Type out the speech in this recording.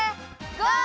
ゴー！